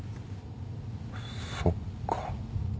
そっか。